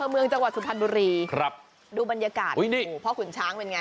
เราอยากเล่า